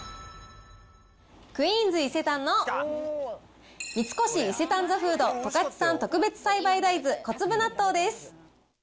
クイーンズ伊勢丹の、ミツコシイセタンザフード十勝産特別栽培大豆小粒納豆です。